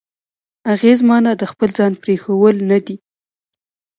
اغېز معنا د خپل ځان پرېښوول نه دی.